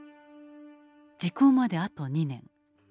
時効まであと２年。